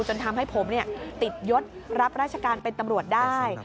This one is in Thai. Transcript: จนทำให้ผมติดยศรับราชการเป็นตำรวจได้